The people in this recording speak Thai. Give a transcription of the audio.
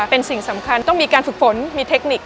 เป็นสิ่งสำคัญต้องมีการฝึกฝนมีเทคนิค